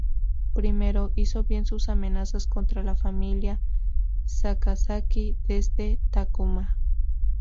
Primero, hizo bien sus amenazas contra la familia Sakazaki, desde Takuma.